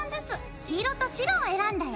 黄色と白を選んだよ。